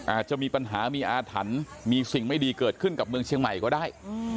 อาจจะมีปัญหามีอาถรรพ์มีสิ่งไม่ดีเกิดขึ้นกับเมืองเชียงใหม่ก็ได้